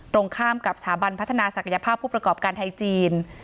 ตรงข้ามกับสถาบันพัฒนาศักยภาพผู้ประกอบการไทยจีน